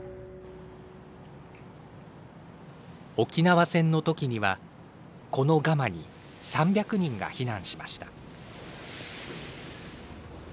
沖縄戦のときには、このガマに３００人が避難しました。